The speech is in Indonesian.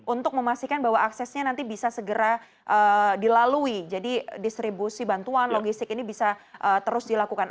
untuk memastikan bahwa aksesnya nanti bisa segera dilalui jadi distribusi bantuan logistik ini bisa terus dilakukan